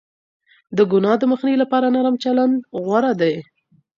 د گناه د مخنيوي لپاره نرم چلند غوره دی.